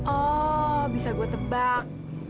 oh bisa gue tebak